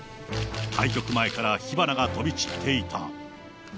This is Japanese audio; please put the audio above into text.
対局前から火花が飛び散っていた。